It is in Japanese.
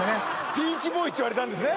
ピーチボーイって言われたんですね